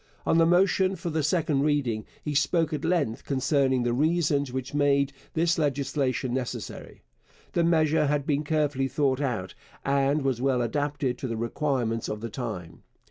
On the motion for the second reading he spoke at length concerning the reasons which made this legislation necessary. The measure had been carefully thought out, and was well adapted to the requirements of the time.